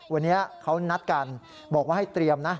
วันนี้เขานัดกันบอกว่าให้เตรียมนะ